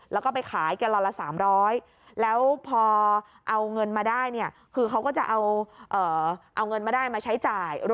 แล้วก็ไปขายแกลลอนละ๓๐๐ลิตร